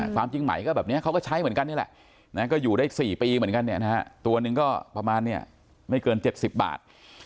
ความจริงไหมก็แบบนี้เขาก็ใช้เหมือนกันนี่แหละก็อยู่ได้๔ปีเหมือนกันเนี่ยนะฮะตัวหนึ่งก็ประมาณไม่เกิน๗๐บาท